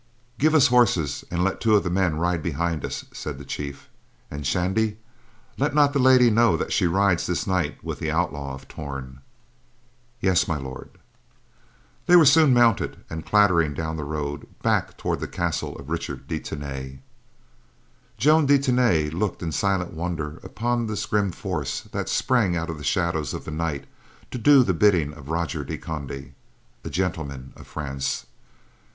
"Give us horses, and let two of the men ride behind us," said the chief. "And, Shandy, let not the lady know that she rides this night with the Outlaw of Torn." "Yes, My Lord." They were soon mounted, and clattering down the road, back toward the castle of Richard de Tany. Joan de Tany looked in silent wonder upon this grim force that sprang out of the shadows of the night to do the bidding of Roger de Conde, a gentleman of France.